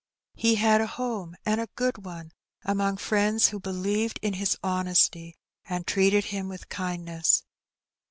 He had a home, and a good one, among friends who believed in his honesty and treated him with kindness.